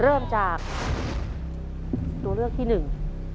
เริ่มจากตัวเลือกที่หนึ่ง